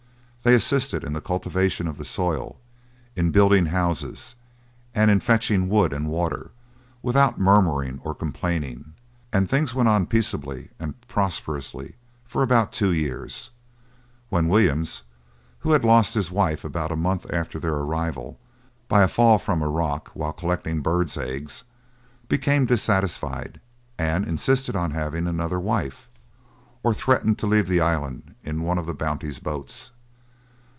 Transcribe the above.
They assisted in the cultivation of the soil, in building houses, and in fetching wood and water, without murmuring or complaining; and things went on peaceably and prosperously for about two years, when Williams, who had lost his wife about a month after their arrival, by a fall from a rock while collecting bird's eggs, became dissatisfied, and insisted on having another wife, or threatened to leave the island in one of the Bounty's boats.